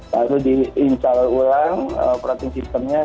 lalu diinstall ulang protein systemnya